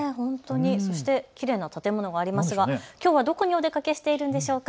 そしてきれいな建物がありますがきょうはどこにお出かけしているんでしょうか。